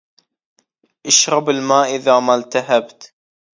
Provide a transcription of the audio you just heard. أشرب الماء إذا ما التهبت